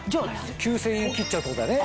９０００円切っちゃうってことだね